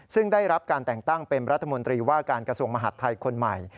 ซึ่งได้รับการแต่งตั้งเป็นรัฐมนตรีว่าการกระทรวงมหาดไทยคนใหม่